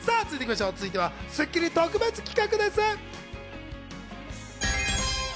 続いては『スッキリ』特別企画です。